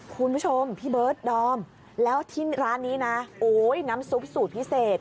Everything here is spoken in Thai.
คุณผู้ชมพี่เบิร์ดดอมแล้วที่ร้านนี้นะโอ้ยน้ำซุปสูตรพิเศษ